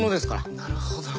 なるほど。